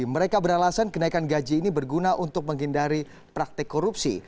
mereka beralasan kenaikan gaji ini berguna untuk menghindari praktek korupsi